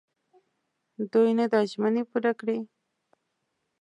دوی نه دا ژمني پوره کړي.